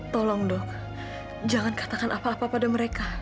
tolong dong jangan katakan apa apa pada mereka